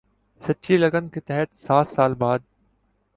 سچی لگن کے تحت سات سال بعد